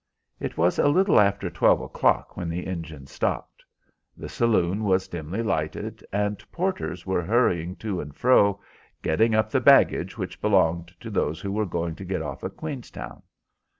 It was a little after twelve o'clock when the engine stopped. The saloon was dimly lighted, and porters were hurrying to and fro, getting up the baggage which belonged to those who were going to get off at Queenstown.